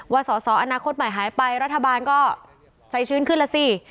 สอสออนาคตใหม่หายไปรัฐบาลก็ใจชื้นขึ้นแล้วสิ